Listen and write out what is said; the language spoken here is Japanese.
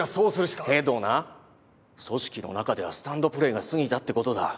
けどな組織の中ではスタンドプレーがすぎたって事だ。